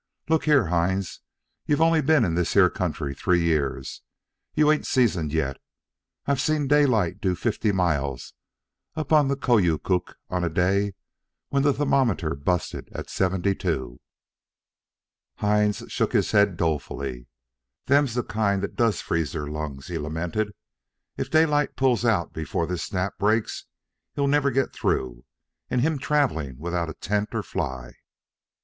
Look here, Hines, you only ben in this here country three years. You ain't seasoned yet. I've seen Daylight do fifty miles up on the Koyokuk on a day when the thermometer busted at seventy two." Hines shook his head dolefully. "Them's the kind that does freeze their lungs," he lamented. "If Daylight pulls out before this snap breaks, he'll never get through an' him travelin' without tent or fly."